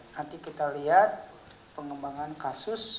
nanti kita lihat pengembangan kasus